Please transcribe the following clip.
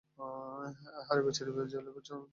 আহারে বেচারি, জেলে বাচ্চা জন্ম দেয়া লাগছে তোমার।